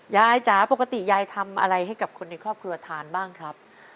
จ๋าปกติยายทำอะไรให้กับคนในครอบครัวทานบ้างครับ